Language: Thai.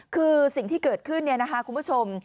คือสิ่งที่เกิดขึ้นเนี่ยนะคะคุณผู้ชม